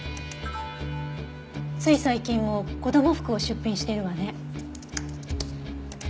つい最近も子供服を出品しているわね。